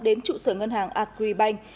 đến trụ sở ngân hàng agribank